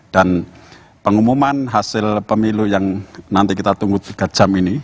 dan pengumuman hasil pemilu yang nanti kita tunggu tiga jam ini